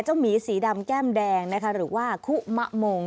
หมีสีดำแก้มแดงนะคะหรือว่าคุมะมง